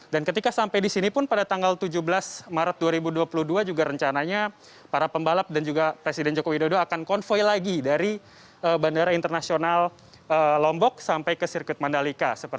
dan ketika sampai di sini pun pada tanggal tujuh belas maret dua ribu dua puluh dua juga rencananya para pembalap dan juga presiden joko widodo akan konvoy lagi dari bandara internasional lombok sampai ke sirkuit mandalika